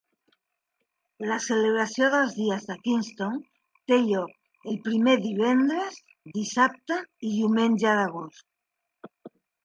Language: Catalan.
La celebració dels dies de Kingston té lloc el primer divendres, dissabte i diumenge d'agost.